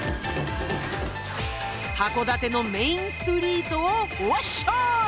函館のメインストリートをわっしょい！